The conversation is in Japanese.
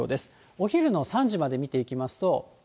お昼の３時まで見ていきますと。